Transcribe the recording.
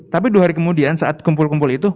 tapi dua hari kemudian saat kumpul kumpul itu